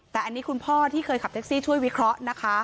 แต่อันนี้คุณพ่อที่เคยขับแท็กซี่ช่วยวิเคราะห์นะคะ